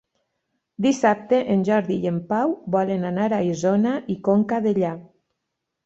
Dissabte en Jordi i en Pau volen anar a Isona i Conca Dellà.